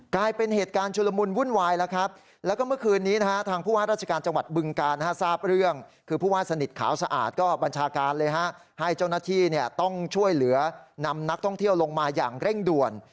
กลายเป็นเหตุการณ์ชุลมุนวุ่นวายแล้วครับแล้วก็เมื่อคืนนี้นะฮะทางผู้ว่าราชการจังหวัดบึงการทราบเรื่องคือผู้ว่าสนิทขาวสะอาดก็บัญชาการเลยฮะให้เจ้าหน้าที่ต้องช่วยเหลือนำนักท่องเที่ยวลงมาอย่างเร่งด่วน